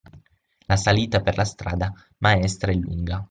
La salita per la strada maestra è lunga